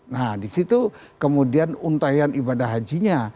nah di situ kemudian untayan ibadah hajinya